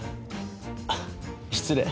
あっ失礼。